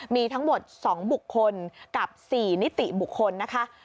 มีทั้งหมด๒บุคคลกับ๔นิติบุคคลนะคะ